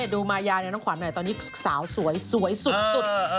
ดูมายาเนี่ยน้องขวัญหน่อยตอนนี้สาวสวยสุด